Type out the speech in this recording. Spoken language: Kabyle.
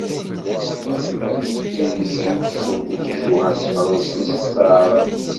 Tid i d-yulsen timucuha s Tefransist d Taɛrabt.